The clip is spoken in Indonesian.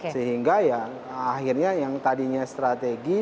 sehingga ya akhirnya yang tadinya strategi